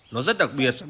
nó rất đặc biệt